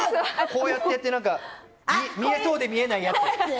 こうやって見えそうで見えないやつ？